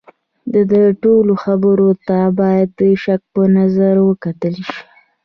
د ده ټولو خبرو ته باید د شک په نظر وکتل شي.